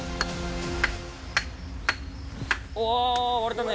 おわれたね！